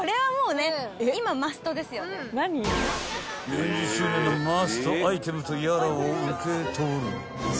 ［４０周年のマストアイテムとやらを受け取る］